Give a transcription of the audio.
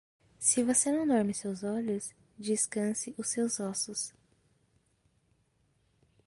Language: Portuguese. Se você não dorme seus olhos, descanse seus ossos.